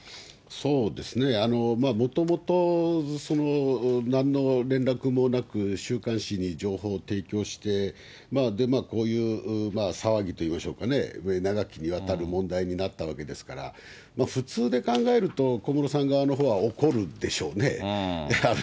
そうですね、もともとなんの連絡もなく、週刊誌に情報提供して、こういう騒ぎと言いましょうかね、長きにわたる問題になったわけですから、普通で考えると、小室さん側のほうは、怒るでしょうね。